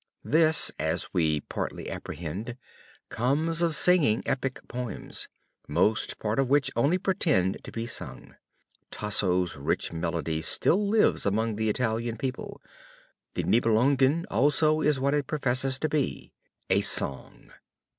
This, as we partly apprehend, comes of singing epic poems; most part of which only pretend to be sung. Tasso's rich melody still lives among the Italian people; the Nibelungen also is what it professes to be, a song."